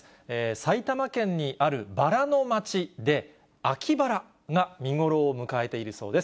埼玉県にあるバラの町で、秋バラが見頃を迎えているそうです。